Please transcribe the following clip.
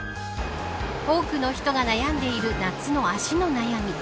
多くの人が悩んでいる夏の脚の悩み。